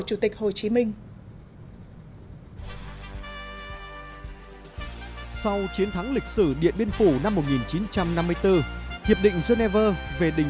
chủ tịch hồ chí minh sau chiến thắng lịch sử điện biên phủ năm một nghìn chín trăm năm mươi bốn hiệp định geneva về đình